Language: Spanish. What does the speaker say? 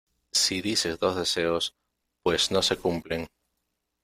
si dices dos deseos, pues no se cumplen.